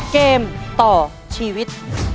เกมต่อชีวิต